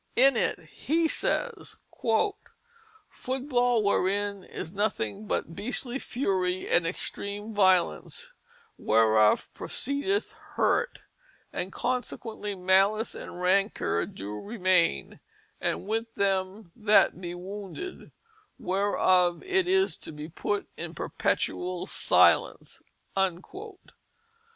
In it he says: "Foot ball wherein is nothynge but beastlye furie and exstreme violence, whereof proceedeth hurte; and consequently malice and rancour do remayne with them that be wounded; whereof it is to be putt in perpetuall silence."